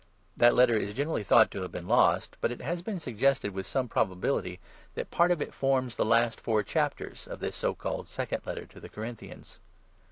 (That letter is generally thought to have been lost, but it has been suggested, with some proba bility, that part of it forms the last four chapters of this so called ' Second Letter ' to the Corinthians).